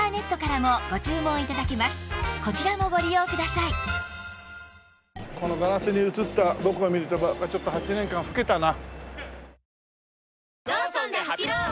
さらにこのガラスに映った僕を見るとやっぱちょっと８年間老けたな。